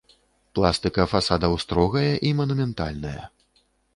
Пластыка фасадаў строгая і манументальная.